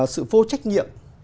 sự vô trách nhiệm